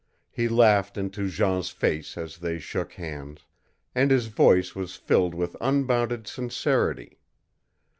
He laughed into Jean's face as they shook hands, and his voice was filled with unbounded sincerity.